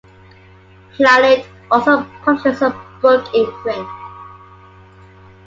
"Planet" also publishes a book imprint.